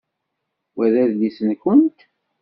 Wa d adlis-nkent?